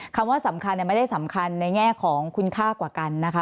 คำว่าสำคัญไม่ได้สำคัญในแง่ของคุณค่ากว่ากันนะคะ